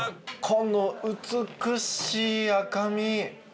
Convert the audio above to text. この美しい赤身。